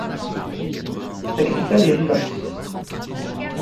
Sa capitale est Rivas.